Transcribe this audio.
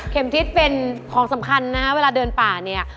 ทิศเป็นของสำคัญนะฮะเวลาเดินป่าเนี่ย